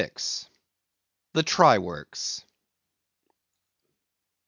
The Try Works.